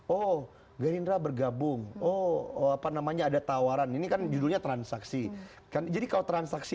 oh gerindra bergabung oh apa namanya ada tawaran ini kan judulnya transaksi kan jadi kalau transaksi